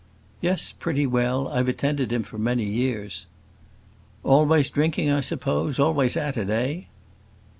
"Yes; pretty well. I've attended him for many years." "Always drinking, I suppose; always at it eh?"